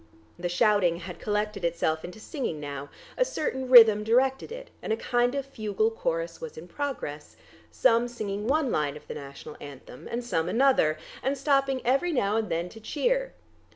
The shouting had collected itself into singing now, a certain rhythm directed it, and a kind of fugual chorus was in progress, some singing one line of the National Anthem, and some another, and stopping every now and then to cheer.